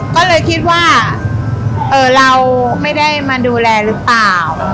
ก็เลยคิดว่าเราไม่ได้มาดูแลหรือเปล่า